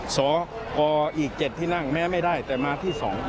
สกอีก๗ที่นั่งแม้ไม่ได้แต่มาที่๒